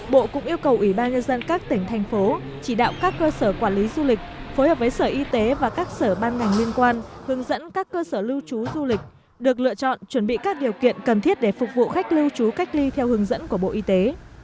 bộ cũng yêu cầu ủy ban nhân dân các tỉnh thành phố chỉ đạo các cơ sở quản lý du lịch phối hợp với sở y tế và các sở ban ngành liên quan hướng dẫn các cơ sở lưu trú du lịch được lựa chọn chuẩn bị các điều kiện cần thiết để phục vụ khách lưu trú cách ly theo hướng dẫn của bộ y tế